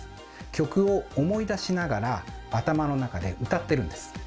曲を思い出しながら頭の中で歌ってるんです。